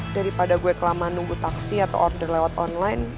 daripada gue kelamaan nunggu taksi atau order lewat online